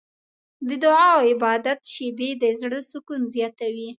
د دعا او عبادت شېبې د زړه سکون زیاتوي.